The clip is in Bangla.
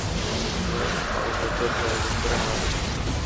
আমরা সাওভ্যাজের সদরদপ্তরে হানা দিব।